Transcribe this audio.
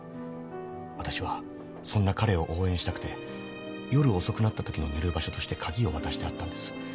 私はそんな彼を応援したくて夜遅くなったときの寝る場所として鍵を渡してあったんです。